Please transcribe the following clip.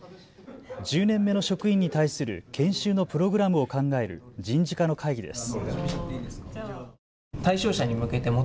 １０年目の職員に対する研修のプログラムを考える人事課の会議です。